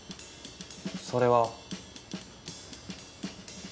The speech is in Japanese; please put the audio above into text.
それは。